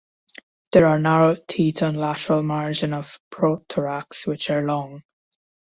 There are narrow teeth on lateral margin of prothorax which are long.